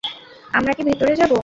আমরা কি ভেতরে যাব?